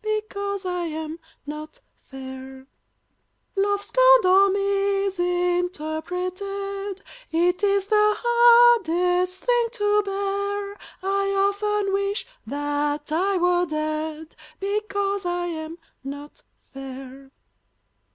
Because I am not fair; Love scorned or misinterpreted It is the hardest thing to bear; I often wish that I were dead, Because I am not fair.